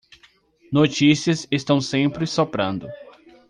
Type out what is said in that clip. Notícias estão sempre soprando